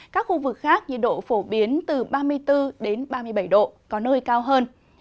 các khu vực khác như độ phổ biến từ ba mươi bốn ba mươi bảy độ có nơi cao hơn